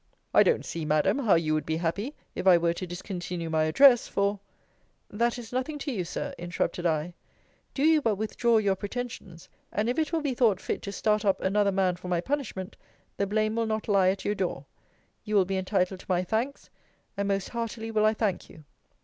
I don't see, Madam, how you would be happy, if I were to discontinue my address: for That is nothing to you, Sir, interrupted I: do you but withdraw your pretensions: and if it will be thought fit to start up another man for my punishment, the blame will not lie at your door. You will be entitled to my thanks, and most heartily will I thank you.